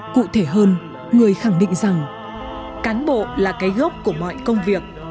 cụ thể hơn người khẳng định rằng cán bộ là cái gốc của mọi công việc